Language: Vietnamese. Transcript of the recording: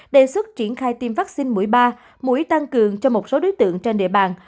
đề xuất triển khai tiêm vaccine mũi ba mũi tăng cường cho một số đối tượng trên địa bàn